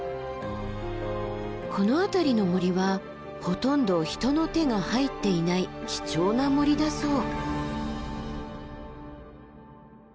この辺りの森はほとんど人の手が入っていない貴重な森だそう。